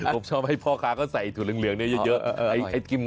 ผมชอบให้พ่อค่าก็ใส่ก๋วเลืองเนี่ยเยอะ